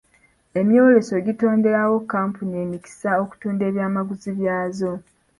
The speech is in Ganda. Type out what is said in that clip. Emyoleso gitonderawo kkampuni emikisa okutunda ebyamaguzi byazo.